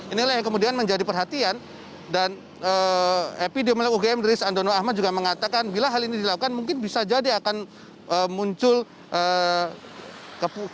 inilah yang kemudian menjadi perhatian dan epidemiolog ugm rice andono ahmad juga mengatakan bila hal ini dilakukan mungkin bisa jadi akan muncul keputusan